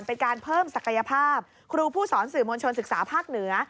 เป็นการเพิ่มศักยภาพครูผู้สอนสื่อมวลชนศึกษาภาคเหนือ